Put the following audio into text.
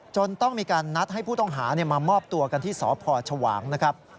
ต้องมีการนัดให้ผู้ต้องหามามอบตัวกันที่สพชวางนะครับ